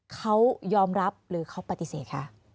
เขายอมรับหรือเขาปฏิเสธคะ